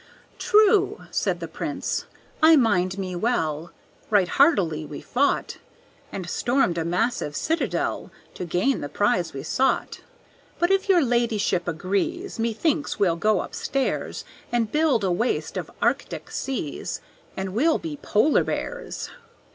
"True," said the prince; "I mind me well Right hardily we fought, And stormed a massive citadel To gain the prize we sought. "But if your ladyship agrees, Methinks we'll go upstairs And build a waste of arctic seas, And we'll be polar bears."